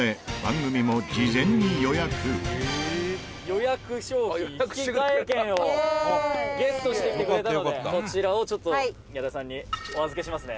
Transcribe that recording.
宮田：「予約商品引換券をゲットしてきてくれたのでこちらを、ちょっと矢田さんにお預けしますね」